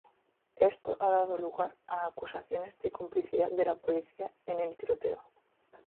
Esto ha dado lugar a acusaciones de complicidad de la policía en el tiroteo.